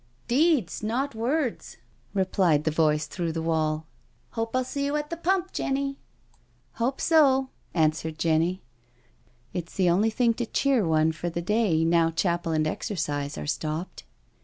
" Deeds not words," replied the voice through the wall. " Hope I'll see you at the pump, Jenny." " Hope so," answered Jenny —•* it's the only thing to cheer one for the day now chapel and exercise are stopped."